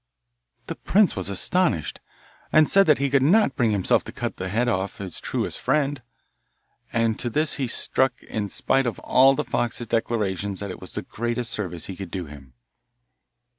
The prince was astonished, and said that he could not bring himself to cut the had off his truest friend, and to this he stuck in spite of all the fox's declarations that it was the greatest service he could do him.